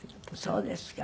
そうですか。